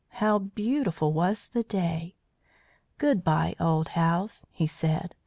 How beautiful was the day! "Good bye, old house," he said.